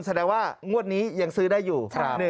แสดงว่างวดนี้ยังซื้อได้อยู่